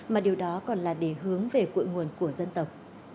mà điều đó còn là để hướng về cội nguồn của dân tộc